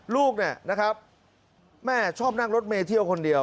ลูกเนี่ยนะครับแม่ชอบนั่งรถเมเที่ยวคนเดียว